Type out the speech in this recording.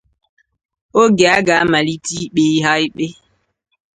oge a ga-amalite ikpe ha ikpe.